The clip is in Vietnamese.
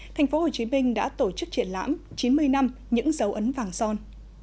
tp hcm đã tổ chức triển lãm chín mươi năm những dấu ấn vàng son